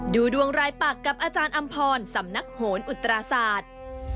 ดูดวงรายปากกับอาจารย์อำพรสำนักโหนอุตราศาสตร์